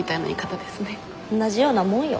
同じようなもんよ。